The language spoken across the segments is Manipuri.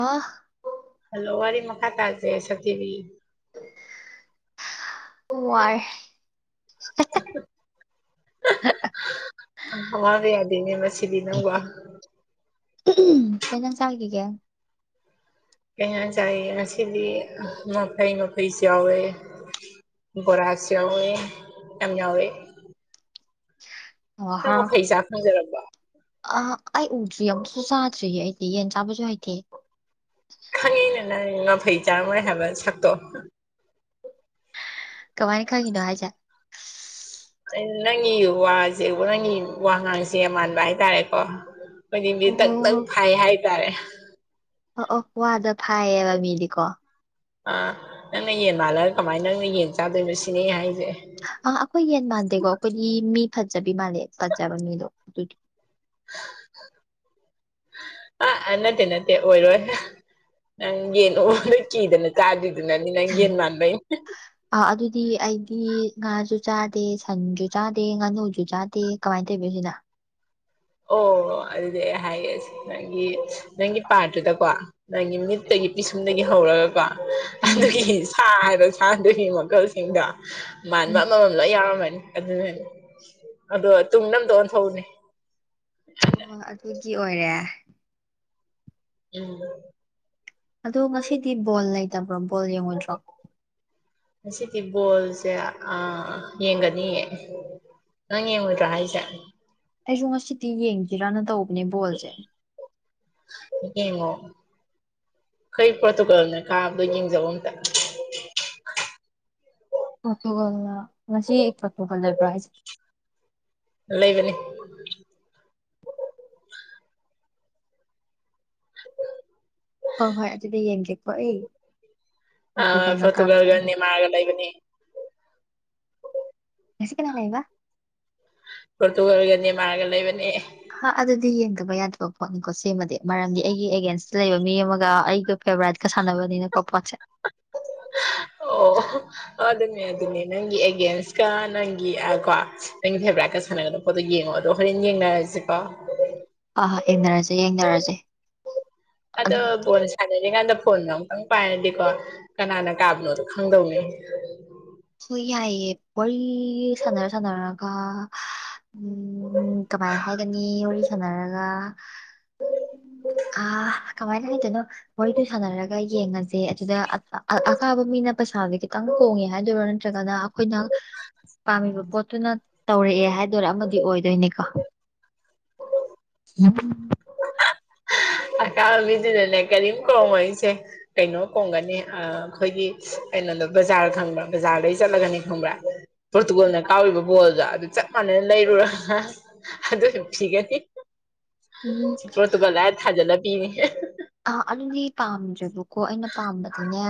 ꯑ ꯍꯜꯂꯣ ꯋꯥꯔꯤ ꯋꯥꯔꯤ ꯃ ꯈꯥ ꯇꯁꯦ ꯁꯇꯕꯤ ꯑꯣꯥꯏ [unintelligible] ꯍꯕ ꯌꯥꯗꯅꯦ ꯃ ꯁꯤꯗꯤ ꯅꯪ ꯋꯥ ꯀ ꯆ ꯀ ꯀ ꯀ ꯆꯥꯏ ꯑ ꯁꯤꯗꯤ ꯃꯐꯥꯏ ꯃ ꯄꯩꯁꯥ ꯑꯣꯏꯦ ꯣꯔꯁꯤꯌꯥ ꯑꯣꯏꯣꯏ ꯑ ꯌꯥ ꯑꯣꯏ ꯑꯣ ꯅꯪ ꯍꯥꯎ ꯐꯩ ꯆꯥ ꯈꯪꯖꯔꯝꯕ ꯑ ꯑꯩ ꯎꯗ꯭ꯔꯤ ꯌꯥꯝꯁꯨ ꯆꯥꯗ꯭ꯔꯤ ꯑꯩꯗꯤ ꯌꯦꯟ ꯆꯥꯕꯁꯨ ꯍꯥꯏꯊꯦ ꯈꯪꯉꯤꯅ ꯅꯪ ꯉꯝꯐꯩ ꯆꯥꯔꯝꯃꯣꯏ ꯍꯥꯏꯕ ꯁꯛꯇꯣ ꯀꯃꯥꯏꯅꯤ ꯈꯪꯒꯤꯗꯣ ꯍꯥꯏꯖꯠ ꯅꯪꯒꯤ ꯋꯥꯁꯦ ꯅꯪꯒꯤ ꯋꯥ ꯉꯥꯡꯁꯦ ꯃꯥꯟꯕ ꯍꯥꯏꯇꯥꯔꯦꯀꯣ ꯃꯅꯤꯡꯗꯤ ꯇꯪ ꯇꯛ ꯑꯣ ꯐꯥꯏ ꯍꯥꯏꯇꯥꯔꯦ ꯑꯣ ꯑꯣ ꯋꯥꯗ ꯐꯥꯏꯌꯦꯕ ꯃꯤꯗꯤꯀꯣ ꯑꯥ ꯅꯪꯅ ꯌꯦꯟ ꯃꯥꯜꯂꯒ ꯀꯃꯥꯏꯅ ꯅꯪꯅ ꯌꯦꯟ ꯆꯥꯗꯣꯏꯅꯣ ꯁꯤꯅꯦ ꯍꯥꯏꯁꯦ ꯃꯥꯥꯟꯗꯦ ꯀꯣ ꯀꯣꯏ ꯃꯤ ꯐꯖꯕꯤ ꯃꯥꯅꯦꯦ ꯐꯖꯕ ꯃꯤ ꯂ ꯑꯥ ꯅꯠꯇꯦ ꯅꯠꯇ ꯑꯣꯏꯔꯣ ꯅꯪ ꯌꯦꯅꯗ ꯀꯤꯗꯅ ꯆꯥꯗ꯭ꯔꯤꯗꯨꯅꯅꯤ ꯅꯪ ꯌꯦꯟ ꯃꯥꯟꯕꯥꯟꯕꯩ ꯗꯤ ꯑꯩꯗꯤ ꯉꯥꯁꯨ ꯆꯥꯗꯦ ꯁꯟꯁꯨ ꯆꯥꯗꯦ ꯉꯥꯅꯨꯁꯨ ꯆꯥꯗꯦ ꯀꯃꯥꯏꯅ ꯇꯧꯔꯤꯣ ꯁꯤꯗ ꯑꯣ ꯑꯗꯨꯗꯤ ꯑꯩ ꯍꯥꯏꯌꯦꯦꯁ ꯅꯪꯒꯤ ꯅꯪꯒꯤ ꯄꯥꯠꯇꯨꯗꯀꯣ ꯅꯪꯒꯤ ꯃꯤꯠ ꯇꯒꯤ ꯄꯤꯁꯨꯝꯗꯒꯤ ꯍꯧꯔꯒꯀꯣ ꯎꯝ ꯑꯗꯨꯒꯤ ꯁꯥ ꯍꯥꯏꯕ ꯁꯥ ꯑꯗꯨꯒꯤ ꯃꯈꯜꯁꯤꯡꯗꯣ ꯃꯥꯟꯕ ꯎꯝ ꯑꯃꯃꯝ ꯂꯣꯏ ꯌꯥꯎꯔꯝꯃꯅꯤ ꯑꯗꯨꯅꯦꯅꯦ ꯑꯗꯣ ꯇꯨꯝꯅ ꯑꯝꯇ ꯑꯣꯟꯊꯅꯤꯅ ꯀ ꯑꯣꯏꯔꯦ ꯎꯝ ꯑꯗꯣ ꯉꯁꯤꯗꯤ ꯕꯣꯜ ꯂꯩꯇꯕ꯭ꯔꯣ ꯕꯣꯜ ꯌꯦꯡꯉꯨꯗ꯭ꯔꯣ ꯉꯗꯤ ꯕꯣꯜꯁꯦ ꯑ ꯌꯦꯡꯒꯅꯤꯌꯦ ꯑꯪ ꯌꯦꯉ ꯔ ꯍꯥꯏꯖ ꯑꯩꯁꯨꯨꯝꯃꯁꯁꯤ ꯇꯤ ꯌꯦꯡꯈꯤ ꯔꯥꯟꯅ ꯇꯎꯕꯅꯤꯣꯖ ꯏꯉ ꯀꯩ ꯄꯇ ꯀꯅꯦ ꯀꯥꯗ ꯇ ꯄꯣꯇꯨꯒꯜꯅ ꯉꯁꯤ ꯄꯣꯇꯨꯒꯜ ꯂꯩꯕ꯭ꯔ ꯍꯥꯏꯁ ꯂꯩꯕꯅꯤ ꯍꯣꯏ ꯍꯣꯏ ꯑꯗꯨꯗꯤ ꯌꯦꯡꯒꯦꯀꯣ ꯑꯩ ꯑ ꯄꯣꯔꯇꯨꯒꯜꯅ ꯀꯥꯕꯗꯣ ꯐꯠꯇꯨꯔꯒꯅꯤꯅꯤ ꯃꯥꯒꯂ ꯂꯩꯕꯅꯤ ꯂꯁꯤꯀꯅꯥꯅꯦꯕ ꯐꯇꯨꯒꯜꯒꯅꯤ ꯃꯥꯔꯒ ꯂꯩꯕꯅꯤ ꯠꯇꯕ ꯌꯥꯗꯕ ꯄꯣꯠꯅꯤꯀꯣ ꯁꯤꯃꯗꯤ ꯃꯔꯝꯗꯤ ꯑꯩꯒꯤ ꯑꯦꯒꯦꯟꯁꯇ ꯂꯩꯕ ꯃꯤ ꯑꯃꯒ ꯑꯩꯒ ꯐꯦꯕꯣꯔꯥꯏꯠꯀ ꯁꯥꯟꯅꯕꯅꯤꯅꯀꯣ ꯣꯄꯁꯦ ꯑꯣ ꯑꯗꯨ ꯑꯗꯨꯅꯦ ꯑꯗꯨꯅꯦ ꯅꯪꯒꯤ ꯑꯦꯒꯦꯟꯁꯀ ꯅꯪꯒꯤ ꯀꯣ ꯅꯪꯒꯤ ꯐꯦꯕꯔꯥꯏꯠꯀ ꯁꯥꯟꯅꯒꯗꯕ ꯄꯣꯠꯇꯣ ꯌꯦꯡꯉꯣ ꯑꯗꯣ ꯍꯣꯔꯦꯟ ꯌꯦꯡꯅꯔꯒꯦ ꯁꯤꯄꯥ ꯑ ꯍ ꯌꯦꯡꯅꯔꯁꯦ ꯌꯦꯡꯅꯔꯁꯦ ꯑꯗꯨꯝ ꯑꯗꯣꯜꯁꯗꯅꯦ ꯑꯗ ꯐꯣꯟꯅ ꯑꯃꯨꯛꯇꯪ ꯄꯥꯏꯔꯗꯤꯀꯣ ꯀꯅꯥꯅ ꯀꯥꯕꯅꯣꯗꯣ ꯈꯪꯗꯧꯅꯤ ꯍꯣꯏ ꯌꯥꯏꯑꯦ ꯋꯥꯔꯤ ꯁꯥꯟꯅꯔ ꯁꯥꯟꯅꯔꯒ ꯎꯝ ꯀꯃꯥꯏ ꯍꯥꯏꯒꯅꯤ ꯋꯥꯔꯤ ꯁꯥꯟꯅꯔꯒ ꯑ ꯀꯃꯥꯏꯅ ꯂꯩꯗꯣꯏꯅꯣ ꯃꯣꯔꯦꯗꯨ ꯁꯥꯟꯅꯔꯒ ꯌꯦꯡꯉꯁꯦ ꯑꯗꯨꯗ ꯑꯀꯥꯕ ꯃꯤ ꯅ ꯄꯩꯁꯥꯁꯦ ꯈꯤꯇꯪ ꯍꯣꯡꯉꯦ ꯍꯥꯏꯗꯣꯏꯔꯣ ꯅꯠꯇ꯭ꯔꯒꯅ ꯑꯩꯈꯣꯏꯅ ꯄꯥꯝꯃꯤꯕ ꯄꯣꯠꯇꯨꯅ ꯇꯧꯔꯛꯑꯦ ꯍꯥꯏꯗꯔꯥ ꯑꯃꯗꯤ ꯑꯣꯏꯗꯣꯏꯅꯦꯀꯣ ꯌꯦ ꯑꯅꯥꯕꯤꯗꯨꯗꯅꯅꯦ ꯀꯔꯤꯝ ꯀꯣꯡꯉꯝꯃꯣꯏꯁꯦ ꯀꯩꯅꯣ ꯀꯣꯡꯉꯝꯒꯅꯤ ꯑꯩꯈꯣꯏꯒꯤ ꯀꯩꯅꯣꯗꯣ ꯕꯖꯥꯔ ꯈꯪꯕ꯭ꯔꯥ ꯕꯖꯥꯔꯗꯗꯒꯤ ꯆꯠꯂꯒꯅꯤ ꯈꯪꯕ꯭ꯔꯥ ꯄꯣꯔꯇꯨꯒꯜꯅ ꯀꯥꯎꯔꯤꯕ ꯕꯣꯜꯗꯣ ꯑꯗꯨ ꯆꯞ ꯃꯥꯟꯅꯅ ꯂꯩꯔꯨꯔꯒ ꯑꯗꯨꯁꯨ ꯄꯤꯒꯅꯤ ꯎꯝ ꯁꯤꯄ꯭ꯔꯣꯇꯨꯀ ꯍꯥꯏ ꯊꯥꯖꯜꯂ ꯄꯤꯅꯦ ꯑꯥ ꯑꯗꯨꯗꯤ ꯄꯥꯝꯗ꯭ꯔꯦꯕꯀꯣ ꯑꯩꯅ ꯄꯥꯝꯕꯗꯤꯅꯦ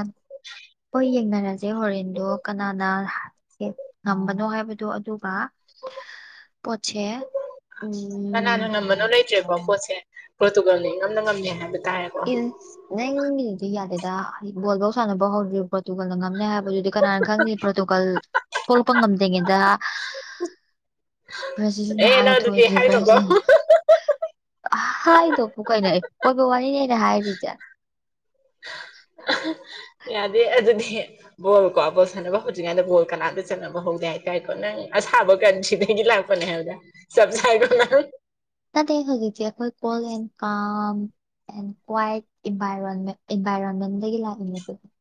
ꯍꯣꯏ ꯌꯦꯡꯅꯔꯁꯦ ꯍꯣꯔꯦꯟꯗꯣ ꯀꯅꯥꯅ ꯉꯝꯕꯅꯣ ꯍꯥꯏꯕꯗꯣ ꯑꯗꯨꯒ ꯄꯣꯠꯁꯦ ꯎꯝ ꯄ꯭ꯔꯣꯇꯨꯒꯜꯅꯤ ꯉꯝꯗ ꯉꯝꯃꯦ ꯍꯥꯏꯕꯅꯤ ꯏꯁ ꯅꯪꯒꯤꯗꯨꯗꯤ ꯌꯥꯗꯦꯗ ꯍꯥꯏꯗꯤ ꯕꯣꯜ ꯐꯥꯎ ꯁꯥꯟꯅꯕ ꯍꯧꯗ꯭ꯔꯤꯕ ꯄ꯭ꯔꯣꯇꯨꯒꯜꯅ ꯉꯝꯅꯦ ꯍꯥꯏꯕ ꯑꯗꯨꯗꯤ ꯀꯅꯥꯅ ꯈꯪꯗꯦ ꯄ꯭ꯔꯣꯇꯨꯀꯜ ꯊꯣꯛꯂꯛꯄ ꯉꯝꯗ꯭ꯔꯤꯉꯩꯗ ꯕ꯭ꯔꯥꯖꯤꯜꯅ ꯑꯦ ꯍꯥꯟꯅ ꯅꯪ ꯑꯗꯨꯗꯤ ꯍꯥꯏꯅꯨꯀꯣ ꯊꯣꯏꯈꯤꯕ꯭ꯔꯥꯁꯨ ꯍꯥꯏꯗꯣꯕꯨ ꯀꯥꯏꯅꯣ ꯕꯣꯜ ꯋꯥꯅꯤ ꯍꯥꯏꯔꯤꯖꯦ ꯌꯥꯗꯦ ꯑꯗꯨꯗꯤ ꯕꯣꯜ ꯀꯣ ꯕꯣꯜ ꯁꯥꯟꯅꯕ ꯍꯧꯗ꯭ꯔꯤꯉꯩꯗ ꯕꯣꯜ ꯀꯅꯥꯝꯗ ꯆꯥꯟꯅꯕ ꯍꯧꯗꯦ ꯍꯥꯏꯇꯥꯔꯦꯀꯣ ꯅꯪ ꯑꯁꯥꯕ ꯀꯥꯟ ꯁꯤꯗꯒꯤ ꯂꯥꯛꯄꯅꯦ ꯆꯞ ꯆꯥꯏꯀꯣ ꯅꯪ ꯅꯠꯇꯦ ꯍꯧꯖꯤꯛꯇꯤ ꯑꯩꯈꯣꯏ cool and calm and quiet ꯏꯟꯚꯔꯣꯟ ꯏꯟꯚꯥꯏꯔꯣꯟꯃꯦꯟꯗꯒꯤ ꯂꯥꯛꯏꯅꯦꯕ ꯑꯈꯣꯏꯗꯤ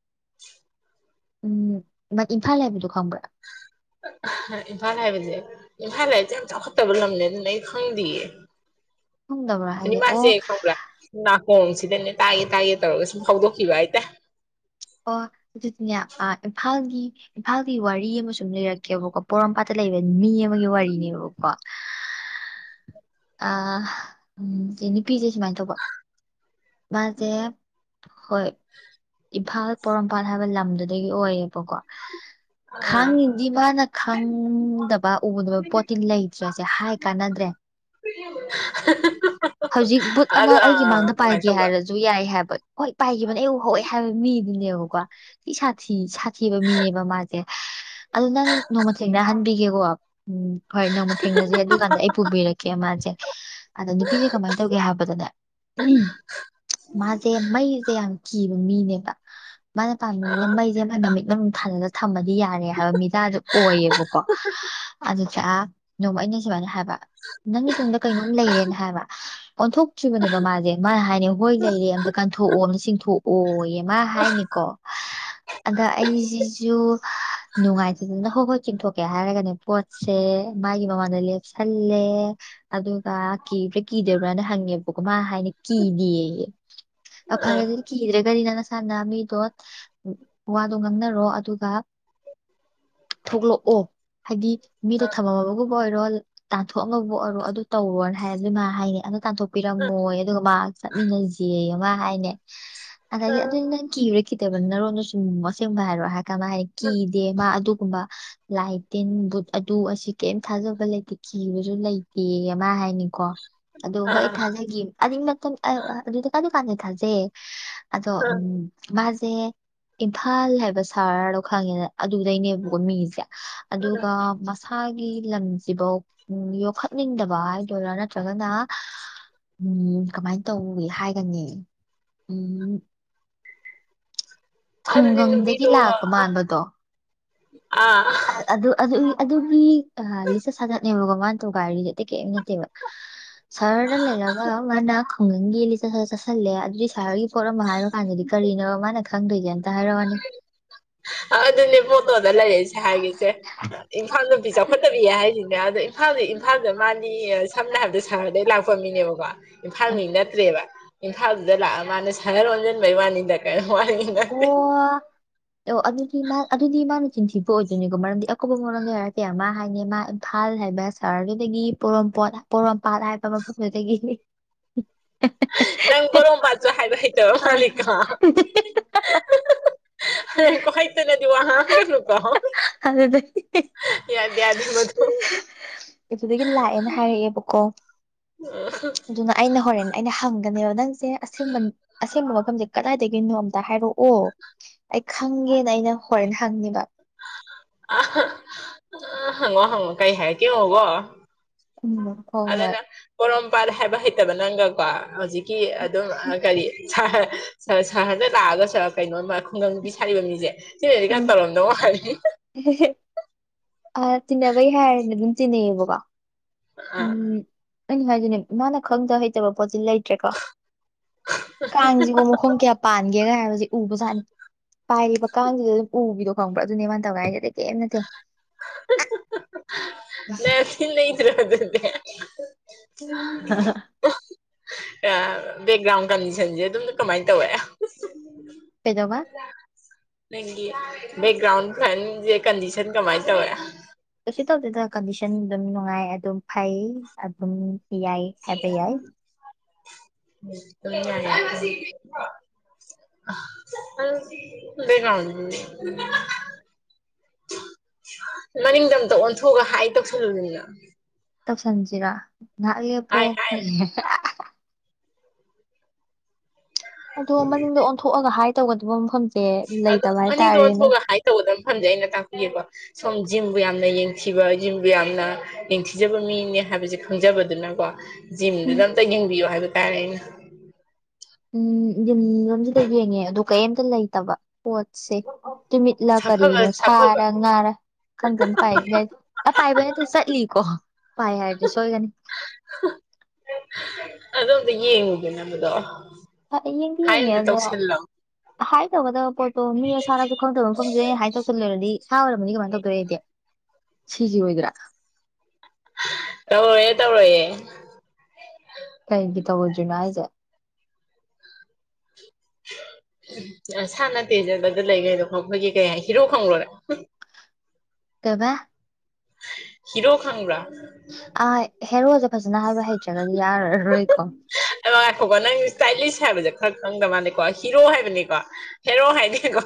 ꯎꯝ ꯏꯝꯐꯥꯜ ꯍꯥꯏꯕꯗꯨ ꯈꯪꯕ꯭ꯔꯥ ꯏꯝꯐꯥꯜ ꯍꯥꯏꯕꯁꯦ ꯏꯝꯐꯥꯜ ꯍꯥꯏꯁꯦ ꯌꯥꯝ ꯆꯥꯎꯈꯠꯇꯕ ꯂꯝꯅꯦ ꯑꯗꯨꯅ ꯑꯩ ꯈꯪꯗꯤꯌꯦ ꯈꯪꯗꯕ꯭ꯔꯥ ꯑꯗꯩ ꯍꯥꯏꯁꯦ ꯑꯣ ꯃꯥꯁꯦ ꯈꯪꯕꯔꯥ ꯈꯣꯡꯁꯤꯗꯅꯦ ꯇꯥꯒꯦ ꯇꯥꯒꯦ ꯇꯧꯔꯒ ꯁꯨꯝ ꯐꯥꯎꯗꯣꯛꯈꯤꯕ ꯍꯥꯏꯇꯥꯏ ꯑꯣ ꯑꯗꯨꯗꯤꯅꯦ ꯑ ꯏꯝꯐꯥꯜꯒꯤ ꯏꯝꯐꯥꯜꯒꯤ ꯋꯥꯔꯤ ꯑꯃ ꯁꯨꯝ ꯂꯩꯔꯛꯀꯦꯕꯀꯣ ꯄꯣꯔꯣꯝꯄꯥꯠꯇ ꯂꯩꯕ ꯃꯤ ꯑꯃꯒꯤ ꯋꯥꯔꯤꯅꯦꯕꯀꯣ [unintelligible] ꯑꯥ ꯅꯨꯄꯤꯁꯦ ꯁꯨꯃꯥꯏꯅ ꯇꯧꯕ ꯃꯥꯖꯦ ꯍꯣꯏ ꯏꯝꯐꯥꯜ ꯄꯣꯔꯣꯝꯄꯥꯠ ꯍꯥꯏꯕ ꯂꯝꯗꯨꯗꯒꯤ ꯑꯣꯏꯌꯦꯕꯀꯣ ꯑꯥ ꯈꯪꯉꯤꯗꯤ ꯃꯥꯅ ꯈꯪꯗꯕ ꯎꯗꯕ ꯄꯣꯠꯇꯤ ꯂꯩꯇ꯭ꯔꯁꯦ ꯍꯥꯏ ꯀꯥꯟꯅꯗ꯭ꯔꯦ [inaudible] [unintelligible] ꯍꯧꯖꯤꯛ ꯕꯨꯠ ꯑꯃ ꯑꯗꯨ ꯑꯥ ꯑꯩꯒꯤ ꯑꯥ ꯃꯥꯡꯗ ꯑꯗꯨꯃꯥꯏꯅ ꯄꯥꯏꯒꯦ ꯇꯧꯕ ꯍꯥꯏꯔꯁꯨ ꯌꯥꯏ ꯍꯥꯏꯕ ꯍꯣꯏ ꯄꯥꯏꯈꯤꯕꯅꯦ ꯑꯩ ꯎ ꯍꯧꯋꯦ ꯃꯤꯗꯨꯅꯦꯕꯀꯣ ꯊꯤ ꯁꯥꯊꯤ ꯊꯤꯕ ꯃꯤꯅꯦꯕ ꯃꯥꯁꯦ ꯑꯗꯨ ꯅꯪ ꯅꯣꯡꯃꯊꯦꯡꯅꯍꯟꯕꯤꯒꯦꯀꯣ ꯎꯝ ꯍꯣꯏ ꯅꯣꯡꯃ ꯊꯦꯡꯅꯖꯩ ꯑꯗꯨ ꯀꯥꯟꯗ ꯑꯩ ꯄꯨꯕꯤꯔꯛꯀꯦ ꯃꯥꯁꯦ ꯑꯗ ꯅꯨꯄꯤꯁꯦ ꯀꯃꯥꯏꯅ ꯇꯧꯒꯦ ꯍꯥꯏꯕꯗꯅꯦ ꯎꯝ ꯃꯥꯖꯦ ꯃꯩꯁꯦ ꯀꯤ ꯃꯤꯅꯦꯕ ꯃꯥꯅ ꯄꯥꯝꯕꯅꯤꯅ ꯃꯩꯁꯦ ꯃꯃꯤꯠ ꯃꯅꯨꯡꯗ ꯊꯥꯖꯟꯂ ꯊꯝꯕ ꯌꯥꯔꯦ ꯍꯥꯏꯕ ꯃꯤꯗꯗꯣ ꯑꯣꯏꯌꯦꯕꯀꯣ ꯑꯗꯨ ꯅꯣꯡꯃ ꯑꯩꯅ ꯁꯨꯃꯥꯏꯅ ꯍꯥꯏꯕ [unintelligible] ꯅꯪꯒꯤ ꯇꯨꯡꯗ ꯀꯩꯅꯣꯝ ꯂꯩꯔꯦꯅ ꯍꯥꯏꯕ ꯑꯣꯟꯊꯣꯛꯇ꯭ꯔꯤꯕꯅꯦꯕ ꯃꯥꯁꯦ ꯃꯥꯅ ꯍꯥꯏꯅꯤ ꯍꯣꯏ ꯂꯩꯔꯦ ꯑꯝꯇ ꯀꯟꯊꯣꯛ ꯆꯊꯣꯛꯑꯣ ꯑꯃ ꯆꯤꯡꯊꯣꯛꯑꯣ ꯑꯃ ꯍꯥꯏꯅꯤꯀꯣ ꯑꯗ ꯑꯩꯁꯤꯁꯨ ꯍꯥ ꯅꯨꯡꯉꯥꯏꯗꯗꯅ ꯍꯣꯏ ꯍꯣꯏ ꯆꯤꯡꯊꯣꯛꯀꯦ ꯍꯥꯏꯔꯒꯅꯦ ꯄꯣꯠꯁꯦ ꯃꯥꯒꯤ ꯃꯃꯥꯟꯗ ꯂꯦꯞꯁꯜꯂꯦ ꯑꯗꯨꯒ ꯀꯤꯕ꯭ꯔꯥ ꯀꯤꯗꯕ꯭ꯔꯥꯅ ꯍꯪꯉꯦꯕꯀꯣ ꯃꯥ ꯍꯥꯏꯅ ꯀꯤꯗꯦꯌꯦ ꯐꯔꯦ ꯑꯥ ꯑꯗꯨꯗꯤ ꯅꯤꯅ ꯅꯁꯥꯅ ꯃꯤꯗꯣ ꯋꯥꯗꯣ ꯉꯥꯡꯅꯔꯣ ꯑꯗꯨꯒ ꯊꯣꯛꯂꯛ ꯑꯣ ꯍꯥꯏꯗꯤ ꯃꯤꯗꯣ ꯑꯥ ꯊꯝꯃꯝꯃꯕꯕꯨ ꯑꯣꯏꯔꯣ ꯇꯥꯟꯊꯣꯛꯑꯝꯕꯨ ꯑꯣꯏꯔꯣ ꯑꯗꯨ ꯇꯧꯔꯣꯅ ꯍꯥꯏꯕ ꯃꯥ ꯍꯥꯏꯅꯩ ꯇꯥꯟꯊꯣꯛꯄꯤꯔꯝꯃꯣꯏ ꯑꯗꯨꯒ ꯃꯥ ꯆꯠꯃꯤꯟꯅꯁꯦ ꯑꯃ ꯍꯥꯏꯅꯦ ꯑꯗꯩꯗ ꯑꯗꯨꯏ ꯅꯪ ꯀꯤꯔꯈꯤꯗꯕ ꯅꯔꯣꯟꯗꯣ ꯆꯨꯝꯃꯨ ꯑꯁꯦꯝꯕ ꯍꯥꯏꯔꯣ ꯍꯥꯏꯔ ꯀꯥꯟ ꯃꯥ ꯍꯥꯏꯗꯤ ꯀꯤꯗꯦ ꯃꯥ ꯑꯗꯨ ꯀꯨꯝꯕ ꯂꯥꯏ ꯇꯤꯟ ꯕꯨꯠ ꯑꯗꯨ ꯑꯁꯤ ꯀꯔꯤꯝ ꯊꯥꯖꯕ ꯂꯩꯇꯦ ꯀꯤꯕꯁꯨ ꯂꯩꯇꯦ ꯑꯃ ꯍꯥꯏꯅꯤꯀꯣ ꯑꯗꯣ ꯑꯥ ꯑꯥ ꯍꯣꯏ ꯊꯥꯖꯒꯤ ꯑꯗꯨꯒꯤ ꯃꯇꯝ ꯑꯗꯨꯗ ꯀ ꯀꯥꯟꯗ ꯊꯥꯖꯩꯌꯦ ꯑꯗꯣ ꯑꯥ ꯎꯝ ꯃꯥꯁꯦ ꯏꯝꯐꯥꯜ ꯍꯥꯏꯕ ꯁꯍꯔꯗꯣ ꯈꯪꯉꯦꯅ ꯑꯗꯨꯗꯩꯅꯦꯕꯀꯣ ꯃꯤꯁꯦ ꯑꯥ ꯑꯥ ꯑꯗꯨꯒ ꯏꯁꯁꯥꯒꯤ ꯂꯝꯁꯤꯐꯧ ꯌꯣꯛꯈꯠꯅꯤꯡꯗꯕ ꯍꯥꯏꯗꯣꯏꯔꯥ ꯅꯠꯇ꯭ꯔꯒꯅ ꯎꯝ ꯀꯃꯥꯏꯅ ꯇꯧꯋꯏ ꯍꯥꯏꯒꯅꯤ ꯎꯝ ꯑꯗꯨꯗꯤ ꯈꯨꯡꯒꯪꯗꯒꯤ ꯅꯨꯄꯤꯗꯣ ꯂꯥꯛꯄ ꯃꯥꯟꯕꯗꯣ ꯑꯥ ꯑꯗꯨ ꯑꯗꯨꯒꯤ ꯑꯗꯨꯒꯤ ꯂꯤꯆꯠ ꯁꯥꯖꯠꯅꯦꯕꯀꯣ ꯋꯥꯟ ꯊ ꯀꯥꯏꯔꯤ ꯀ ꯅꯠꯇ ꯁꯔ ꯂꯩꯦ ꯏꯂꯒ ꯃ ꯍꯥꯪꯤ ꯆ ꯆꯁꯂꯦ ꯑꯗꯨ ꯁꯍꯔꯒꯤ ꯄꯣꯠ ꯑꯃ ꯍꯥꯏꯕ ꯀꯥꯟꯗꯗꯤ ꯀꯔꯤꯅꯣ ꯃꯥꯅ ꯈꯪꯗꯣꯏꯁꯦ ꯑꯝꯇ ꯍꯥꯏꯔꯛꯑꯣꯅꯤ ꯑꯗꯨꯅꯦ ꯇꯣꯗ ꯂꯩꯔꯏꯁꯦ ꯍꯥꯏꯔꯤꯁꯦ ꯏꯝꯐꯥꯜ ꯅꯨꯄꯤ ꯆꯥꯎꯈꯠꯇꯕꯤꯌꯦ ꯍꯥꯏꯁꯤꯅꯦ ꯑꯗ ꯏꯝꯐꯥꯜꯗ ꯏꯝꯐꯥꯜꯗ ꯃꯥꯅꯤ ꯁꯝꯅ ꯍꯥꯏꯔꯕꯗ ꯁꯍꯔꯗꯩ ꯂꯥꯛꯄ ꯃꯤꯅꯦꯕꯀꯣ ꯏꯝꯐꯥꯜꯉ ꯅꯠꯇ꯭ꯔꯦꯕ ꯏꯝꯐꯥꯜꯗꯨꯗ ꯂꯥꯛꯑ ꯃꯥꯅ ꯁꯥꯟꯅꯔ ꯂ ꯑꯣꯣꯟꯁꯤꯟꯕꯩ ꯋꯥꯅꯤꯗ ꯀꯩꯅꯣ ꯃꯅꯤ ꯃꯥꯅꯤ ꯑꯣ ꯑꯣ ꯑꯗꯨꯗꯤ ꯃꯥ ꯑꯗꯨꯗꯤ ꯃꯥꯅ ꯆꯤꯟꯊꯤꯕ ꯑꯣꯏꯗꯣꯏꯅꯤꯀꯣ ꯃꯔꯝꯗꯤ ꯑꯀꯨꯞꯄ ꯃꯔꯣꯟꯗ ꯍꯥꯏꯔꯛꯀꯦ ꯃꯥ ꯍꯥꯏꯅꯦ ꯃꯥ ꯏꯝꯐꯥꯜ ꯍꯥꯏꯕ ꯁꯍꯔꯗꯨꯗꯒꯤ ꯄꯣꯔꯣꯝꯄꯥꯣꯠ ꯄꯣꯔꯣꯝꯄꯥꯠ ꯍꯥꯏꯕ ꯃꯐꯝꯗꯨꯗꯒꯤꯅꯤ ꯅꯪ ꯕꯣꯔꯣꯝꯄꯥꯥꯠꯁꯨ ꯍꯥꯏꯕ ꯍꯥꯏꯇꯔ ꯃꯥꯂꯤꯀꯣ [inaudible] [inaudible] ꯀꯥꯏꯇꯅꯗꯨꯕꯨ ꯑ ꯀꯨ ꯀꯣ ꯑꯗꯨꯗꯒꯤ ꯌꯥꯗꯦ ꯌꯥꯗꯦ ꯃꯗꯨ ꯑꯗꯨꯗꯒꯤ ꯂꯥꯛꯑꯦꯅ ꯍꯥꯏꯔꯛꯑꯦꯕꯀꯣ ꯑꯗꯨꯅ ꯑꯩꯅ ꯍꯣꯔꯦꯟ ꯑꯩꯅ ꯍꯪ ꯅꯦꯕ ꯅꯪꯁꯦ ꯑꯁꯦꯡꯕ ꯑꯁꯦꯡꯕ ꯃꯐꯝꯁꯦ ꯀꯗꯥꯏꯗꯒꯤꯅꯣ ꯑꯝꯇ ꯍꯥꯏꯔꯛꯑꯣ ꯈꯪꯒꯦꯅ ꯑꯩꯅ ꯍꯣꯔꯦꯟ ꯍꯪꯅꯤꯕ ꯑ ꯍꯪꯉꯣ ꯍꯪꯉꯣ ꯀꯩ ꯍꯥꯏꯔꯛꯀꯦ ꯌꯦꯡꯉꯣꯀꯣ ꯎꯝ ꯍꯣꯏ ꯍꯣꯏ ꯑꯗꯨꯅ ꯄꯨꯔꯝ ꯄꯥꯠ ꯍꯥꯏꯕ ꯍꯩꯇꯕ ꯅꯪꯒ ꯀꯣ ꯍꯧꯖꯤꯛꯀꯤ ꯑꯗꯨꯝ ꯀꯔꯤ ꯁꯍꯔꯗ ꯂꯥꯛꯑꯒ ꯁ ꯀꯩꯅꯣꯝꯃ ꯈꯨꯡꯒꯪ ꯅꯨꯄꯤ ꯁꯥꯔꯤꯕ ꯃꯤꯁꯦ ꯁꯤꯅꯗꯤ ꯀꯩꯅꯣ ꯑꯗꯨꯝ ꯇꯧꯔꯝꯗꯧ ꯃꯜꯂꯤ ꯇꯤꯟꯅꯕꯩ ꯍꯥꯏꯔꯦꯅꯦ ꯑꯗꯨꯝ ꯇꯤꯟꯅꯩꯌꯦꯕꯀꯣ ꯑꯥ ꯎꯝ ꯑꯩꯅ ꯍꯥꯏꯖꯤꯅꯦ ꯃꯥꯅ ꯈꯪꯗ ꯍꯩꯇꯕ ꯄꯣꯠꯇꯤ ꯂꯩꯇ꯭ꯔꯦꯀꯣ ꯀꯥꯡꯁꯤꯒꯣ ꯃꯈꯣꯡ ꯀꯌꯥ ꯄꯥꯟꯒꯦꯒ ꯍꯥꯏꯕꯁꯤ ꯎꯕꯖꯥꯠꯅꯤ ꯄꯥꯏꯔꯤꯕ ꯀꯥꯡꯁꯤꯗ ꯑꯗꯨꯝ ꯎꯕꯤꯗꯣ ꯈꯪꯕ꯭ꯔꯥ ꯑꯗꯨꯅꯦ ꯃꯥꯅ ꯇꯧꯒꯥꯏꯁꯦꯗꯤ ꯀꯩꯝ ꯅꯠꯇꯦ ꯅ ꯅꯇꯔꯣꯗꯗ ꯑ ꯕꯦꯛꯒ꯭ꯔꯥꯎꯟ ꯀꯟꯗꯤꯁꯟꯁꯦ ꯑꯗꯨꯝ ꯀꯃꯥꯏꯅ ꯇꯧꯋꯦ ꯀꯩꯗꯧꯕ ꯅꯪꯒꯤ ꯕꯦꯛꯒ꯭ꯔꯥꯎꯟ ꯀꯟꯗꯤꯁꯟ ꯀꯃꯥꯏꯅ ꯇꯧꯋꯤ ꯀꯩꯁꯨ ꯇꯧꯗꯦꯗ ꯀꯟꯗꯤꯁꯟ ꯑꯗꯨꯝ ꯅꯨꯡꯉꯥꯏ ꯑꯗꯨꯝ ꯐꯩ ꯑꯗꯨꯝ ꯌꯥꯏ ꯍꯥꯏꯕ ꯌꯥꯏ ꯌꯥ [unintelligible] [unintelligible] [unintelligible] [inaudible] [inaudible] ꯃꯅꯤꯡꯗ ꯑꯝꯇ ꯑꯣꯟꯊꯣꯛꯑꯒ ꯍꯥꯏ ꯇꯧꯁꯜꯂꯨꯅꯤꯅ ꯁꯟꯖꯤꯔ ꯉꯥꯏꯍꯥꯛ ꯂꯦꯞꯄꯣ ꯍꯥꯏ ꯍꯥꯏ ꯑꯗꯣ ꯃꯅꯤꯡꯗ ꯑꯣꯟꯊꯣꯛꯑꯒ ꯍꯥꯏ ꯇꯧꯒꯗꯕ ꯃꯐꯝꯁꯦ ꯑꯗꯣ ꯂꯩꯇꯕ ꯃꯅꯤꯡꯗ ꯍꯥꯏꯇꯥꯔꯦꯅꯦ ꯑꯣꯟꯊꯣꯛꯑꯒ ꯍꯥꯏ ꯇꯧꯒꯗꯅ ꯃꯐꯝꯖꯦ ꯑꯩꯅ ꯇꯥꯛꯄꯤꯒꯦꯀꯣ ꯁꯣꯝ ꯖꯤꯝꯕꯨ ꯌꯥꯝꯅ ꯌꯦꯡ ꯖꯤꯝꯕꯨ ꯌꯥꯝꯅ ꯅꯤꯡꯊꯤꯖꯕ ꯃꯤꯅꯦ ꯍꯥꯏꯕꯁꯦ ꯈꯪꯖꯕꯗꯨꯅꯀꯣ ꯎꯝ ꯖꯤꯝꯗꯨꯗ ꯑꯝꯇ ꯌꯦꯡꯕꯤꯌꯣ ꯍꯥꯏꯕ ꯇꯥꯔꯦ ꯑꯩꯅ ꯎꯝ ꯖꯤꯝ ꯂꯣꯝꯁꯤꯗ ꯌꯦꯡꯉꯦ ꯑꯗꯣ ꯀꯩꯝꯇ ꯂꯩꯇꯕ ꯄꯣꯠꯁꯦ ꯇꯨꯃꯤꯠꯂꯥ ꯁꯥꯐꯕ ꯀꯔꯤꯅꯣ ꯁꯥꯐꯕ ꯁꯥꯔ ꯉꯥꯔ ꯈꯪꯗꯅ ꯄꯥꯏ ꯌꯥꯗ ꯄꯥꯏꯕ ꯆꯠꯂꯤꯀꯣ ꯄꯥꯏ ꯍꯥꯏꯔꯗꯤ ꯁꯣꯏꯒꯅꯤ ꯑꯗꯣ ꯑꯝꯇ ꯌꯦꯡꯉꯨꯗꯅ ꯑꯗꯨꯗꯣ ꯍ ꯌꯦꯡꯗꯤ ꯌꯦꯡꯉꯦ ꯑꯗ ꯍꯥꯏ ꯇꯧꯒꯗꯕ ꯄꯣꯠꯇꯣ ꯃꯤ ꯑꯁꯥꯅꯗꯤ ꯈꯪꯗꯕ ꯐꯪꯗꯦ ꯍꯥꯏ ꯇꯧꯁꯤꯜꯂꯨꯔꯗꯤ ꯐꯥꯒꯗꯕ ꯑꯣꯏꯔꯕꯅꯤ ꯀꯃꯥꯏꯅ ꯇꯧꯗꯣꯏꯦ ꯑꯩꯗꯤꯦ ꯁꯤꯁꯤ ꯑꯣꯏꯗ꯭ꯔꯥ ꯇꯧꯔꯣꯏꯌꯦ ꯇꯧꯔꯣꯏꯌꯦ ꯀꯩꯒꯤ ꯇꯧꯔꯣꯏꯗꯔꯤꯕ ꯍꯥꯏꯖꯦ ꯁꯥꯅ ꯇꯦꯟꯖꯕꯗ ꯂꯩꯈꯩꯗꯣ ꯈꯪꯕꯒꯤ ꯀꯩ ꯍꯥꯏ ꯍꯤꯔꯣ ꯈꯪꯂꯨꯔꯦ ꯀꯩꯕ ꯍꯤꯔꯣ ꯈꯪꯕ꯭ꯔꯥ ꯑꯥ ꯍꯦꯔꯣꯁꯦ ꯐꯖꯅ ꯍꯥꯏꯕ ꯍꯩꯇ꯭ꯔꯒꯗꯤ ꯌꯥꯔꯔꯣꯏꯀꯣ ꯑꯗꯣ ꯉꯥꯏꯈꯣꯀꯣ ꯅꯪ ꯏꯁꯇꯥꯏꯂꯤꯁ ꯍꯥꯏꯕꯁꯦ ꯈꯔ ꯈꯪꯗꯕ ꯃꯥꯅꯤꯀꯣ ꯍꯤꯔꯣ ꯍꯥꯏꯕꯅꯤꯀꯣ ꯍꯦꯔꯣ ꯍꯥꯏꯗꯦꯀꯣ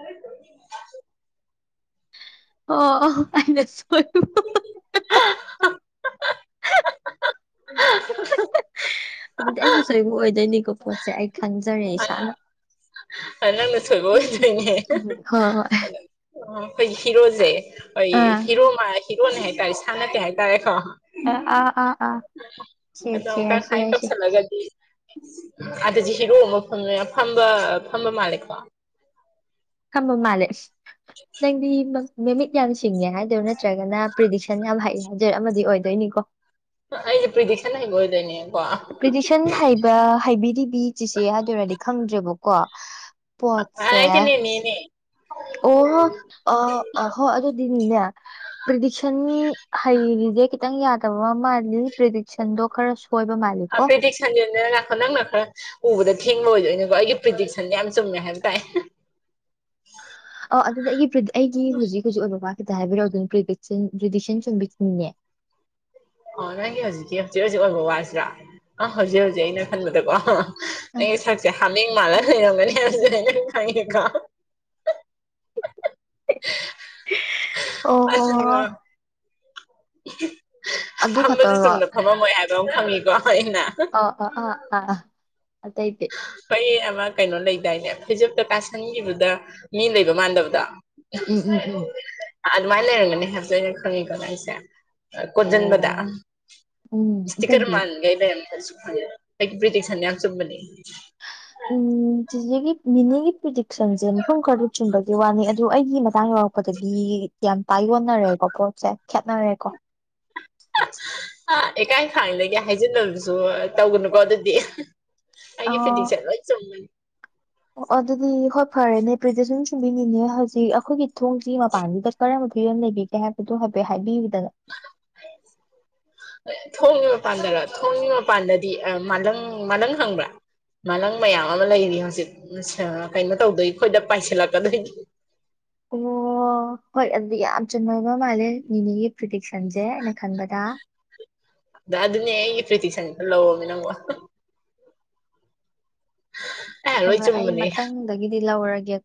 [inaudible] [inaudible] ꯑꯣ ꯑꯣ ꯑꯩꯅ ꯁꯣꯏꯕ [inaudible] ꯑꯗꯨꯗꯤ ꯑꯩꯩꯅ ꯁꯣꯏꯕ ꯑꯣꯏꯗꯣꯏꯅꯤꯀꯣ ꯄꯣꯠꯁꯦ ꯑꯩ ꯈꯪꯖꯔꯦ ꯏꯁꯥꯅ ꯅꯪꯅ ꯁꯣꯏꯕ ꯑꯣꯏꯗꯣꯏꯅꯦ ꯍꯣꯏ ꯍꯣꯏ ꯑꯣ ꯑꯩꯈꯣꯏ ꯍꯤꯔꯣꯖꯦ ꯍꯣꯏ ꯑꯥ ꯍꯤꯔꯣ ꯍꯤꯔꯣꯅꯦ ꯍꯥꯏꯇꯥꯔꯦ ꯏꯁꯥꯅ ꯀꯩ ꯍꯥꯏꯇꯥꯔꯦꯀꯣ ꯑꯥ ꯑꯥ ꯑꯥ ꯑꯥ ꯁꯦꯠꯁꯦ ꯑꯗꯣꯨꯀ ꯍꯥꯏꯁꯦ ꯍꯥꯏꯥꯏꯅ ꯍꯥꯏꯁꯦ ꯇꯧꯁꯜꯂꯒꯗꯤ ꯑꯗꯨꯗꯤ ꯍꯤꯔꯣ ꯑꯃ ꯐꯪꯉꯦ ꯐꯝꯕ ꯐꯝꯕ ꯃꯥꯜꯂꯦꯀꯣ ꯈꯝꯕ ꯃꯥꯂꯦ ꯅꯪꯗꯤ ꯅꯨꯃꯤꯠ ꯌꯥꯝ ꯁꯤꯡꯉꯦ ꯍꯥꯏꯗꯣꯏꯔꯥ ꯅꯠꯇ꯭ꯔꯒꯅ ꯄ꯭ꯔꯤꯗꯤꯛꯁꯟ ꯌꯥꯝ ꯍꯩꯑ ꯍꯥꯏꯗꯣꯏꯔ ꯑꯃꯗꯤ ꯑꯣꯏꯗꯣꯏꯅꯤꯀꯣ ꯗꯤ ꯄꯤꯗꯤꯁꯅ ꯍꯦꯛꯒ ꯑꯣꯏꯣꯏꯗꯦꯅꯦ ꯄ꯭ꯔꯤꯇꯤꯁꯟ ꯍꯥꯏꯕ ꯍꯥꯏꯕꯤꯔꯤꯕꯤ ꯆꯁꯦ ꯍꯥꯏ ꯑꯣꯏꯔꯗꯤ ꯈꯪꯗ꯭ꯔꯦꯕꯀꯣ ꯄꯣꯁꯦ ꯍꯥꯏꯗꯤꯅꯦꯅꯦꯅꯦ ꯑꯣ ꯍꯣ ꯑ ꯑ ꯍꯣꯏ ꯑꯗꯨꯗꯤꯅꯤꯅꯦ ꯄ꯭ꯔꯤꯗꯤꯛꯁꯟ ꯍꯩꯔꯤꯁꯦ ꯈꯤꯇꯪ ꯌꯥꯗꯕ ꯃꯥꯜꯂꯤ ꯄ꯭ꯔꯔꯤꯗꯤꯛꯁꯟꯗꯣ ꯈꯔ ꯁꯣꯏꯕ ꯃꯥꯜꯂꯤꯀꯣ ꯄ꯭ꯔꯤꯗꯤꯛꯁꯟ ꯅꯪꯅ ꯈꯔ ꯎꯕꯗ ꯊꯦꯡꯕ ꯑꯣꯏꯗꯣꯏꯅꯦꯀꯣ ꯑꯩꯒꯤ ꯄ꯭ꯔꯤꯗꯤꯛꯁꯟꯗꯤ ꯌꯥꯝ ꯆꯨꯝꯃꯦ ꯍꯥꯏꯕ ꯇꯥꯏ ꯑ ꯑꯗꯨꯗ ꯑꯩꯒꯤ ꯑꯩꯒꯤ ꯍꯧꯖꯤꯛ ꯍꯧꯖꯤꯛ ꯑꯣꯏꯕ ꯋꯥꯠ ꯀꯗ ꯍꯥꯏꯕꯤꯔꯛ ꯑꯗꯨ꯭ꯟ ꯭ꯔꯤꯗꯤꯁꯟ ꯆꯨꯝꯕꯤꯅꯦꯦ ꯑꯣ ꯅꯪꯒꯤ ꯍꯧꯖꯤꯛꯀꯤ ꯍꯧꯖꯤꯛ ꯍꯧꯖꯤꯛ ꯑꯣꯏꯕ ꯋꯥꯁꯤꯔꯥ ꯑ ꯍꯧꯖꯤꯛ ꯍꯧꯖꯤꯛ ꯑꯩꯅ ꯈꯟꯕꯗꯀꯣ ꯑꯩꯒꯤ ꯁꯛꯁꯦ ꯍꯥꯃꯦꯡ ꯃꯥꯜꯂ ꯂꯩꯔꯝꯒꯅꯤ ꯑꯗꯨꯁꯨ ꯑꯩꯅ ꯈꯪꯉꯦꯀꯣ ꯑꯣ ꯑꯣ ꯑꯗꯨ ꯐꯝꯕꯁꯦ ꯈꯛꯇꯔꯣ ꯆꯨꯝꯗ ꯐꯝꯃꯝꯃꯣꯏ ꯍꯥꯏꯕ ꯐꯪꯉꯤꯀꯣ ꯑ ꯑ ꯑꯥ ꯑꯥ ꯑꯥꯏꯗꯤꯦ ꯀꯩ ꯑꯃ ꯀꯩꯅꯣ ꯂꯩꯗꯥꯏꯅꯦ ꯐꯤꯖꯣꯛꯇ ꯀꯥꯁꯟꯈꯤꯕꯗ ꯃꯤ ꯂꯩꯕ ꯃꯥꯟꯗꯕꯗꯣ ꯎꯝ ꯎꯝ ꯎꯝ ꯑꯗꯨꯃꯥꯏꯅ ꯂꯩꯔꯝꯒꯅꯤ ꯍꯥꯏꯕꯗꯣ ꯑꯩꯅ ꯈꯪꯉꯤꯀꯣ ꯉ ꯑꯩꯁꯦ ꯑꯣ ꯀꯣꯣꯟꯖꯟꯕꯗꯥꯥ ꯎꯝ ꯏꯁꯇꯤꯀꯔ ꯑꯇꯩꯗꯤ ꯃꯥꯥꯟꯒꯦꯕ ꯐꯔ ꯑꯗꯨ ꯊꯦꯡꯀꯤ ꯄꯔꯤꯇꯤ ꯁ ꯅꯅꯤ ꯌꯥꯝ ꯆꯨꯝꯃꯅꯤ [inaudible] ꯎꯝ ꯁꯤꯒꯤ ꯃꯤꯅꯤꯒꯤ ꯄ꯭ꯔꯤꯗꯤꯛꯁꯟꯁꯦ ꯃꯐꯝ ꯈꯔꯗ ꯆꯤꯡꯕꯒꯤ ꯋꯥꯅꯤ ꯑꯗꯨ ꯑꯩꯒꯤ ꯃꯇꯥꯡꯗ ꯌꯥꯎꯔꯛ ꯗꯤ ꯌꯥꯝ ꯇꯥꯏꯌꯣꯟꯅꯔꯦꯀꯣ ꯄꯣꯠꯁꯦ ꯈꯦꯠꯅꯔꯦꯀꯣ ꯁꯤꯖꯤꯟꯅꯕꯁꯨ ꯇꯧꯒꯅꯨꯀꯣ ꯑꯗꯨꯗꯤ ꯑ ꯑꯩꯒꯤ ꯐꯤꯗꯤꯁꯦ ꯂꯣꯏ ꯆꯨꯝꯒꯅꯤ ꯑꯣ ꯑꯗꯨꯗꯤ ꯍ ꯐꯔꯦꯅꯦ ꯄ꯭ꯔꯤꯖꯦꯁꯟ ꯁꯨꯕꯤꯅꯤꯡꯉꯦ ꯍꯧꯖꯤꯛ ꯑꯩꯈꯣꯏꯒꯤ ꯊꯣꯡꯁꯤ ꯃꯄꯥꯟꯁꯤꯗ ꯀꯔꯝꯕ ꯐꯤꯕꯝ ꯂꯩꯕꯤꯒꯦ ꯍꯥꯏꯕꯗꯣ ꯍꯥꯏ ꯍꯥꯏꯕꯤ ꯊꯣꯡꯉꯤ ꯃꯄꯥꯟꯗꯔ ꯊꯣꯡꯉ ꯃꯄꯥꯟꯗꯗꯤ ꯑ ꯃꯂꯪ ꯃꯂꯪ ꯍꯪꯕ꯭ꯔꯥ ꯃꯥꯅꯪ ꯃꯌꯥꯝ ꯑꯃ ꯂꯩꯔꯤ ꯍꯧꯖꯤꯛ ꯀꯩꯅꯣ ꯇꯧꯗꯣꯏ ꯑꯩꯈꯣꯏꯗ ꯄꯥꯏꯁꯤꯜꯂꯛꯀꯗꯣꯏꯅꯤ ꯑꯣ ꯍꯣꯏ ꯑꯗꯨꯗꯤ ꯌꯥꯝ ꯆꯨꯝ ꯃꯣꯏꯕ ꯃꯥꯜꯂꯦ ꯅꯤꯅꯦꯒꯤ ꯄ꯭ꯔꯤꯗꯤ ꯁꯟꯖꯦ ꯑꯩꯅ ꯈꯟꯕꯗ ꯑꯗ ꯑꯗꯨꯅꯦ ꯑꯩꯒꯤ ꯄ꯭ꯔꯤꯇꯤ ꯁꯟꯗ ꯂꯧꯔꯃꯤ ꯅꯪ ꯑꯦ ꯂꯣꯏ ꯍꯣꯏ ꯑꯩ ꯆꯨꯝꯕꯅꯦ ꯃꯊꯪꯗꯒꯤꯗꯤ ꯂꯧꯔꯒꯦ